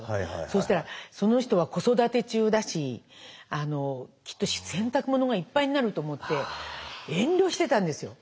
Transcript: そうしたらその人は子育て中だしきっと洗濯物がいっぱいになると思って遠慮してたんですよ。